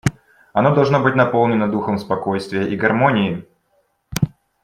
Оно должно быть наполнено духом спокойствия и гармонии.